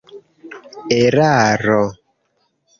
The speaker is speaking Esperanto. eraro